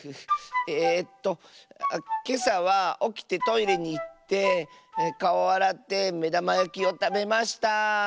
えっとけさはおきてトイレにいってかおあらってめだまやきをたべました。